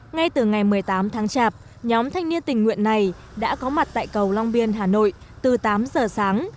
ngay từ ngày một mươi tám tháng chạp nhóm thanh niên tình nguyện này đã có mặt tại cầu long biên hà nội từ tám giờ sáng